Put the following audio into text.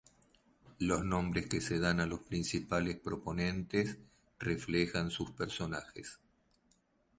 Los nombres que se dan a los principales proponentes reflejan sus personajes.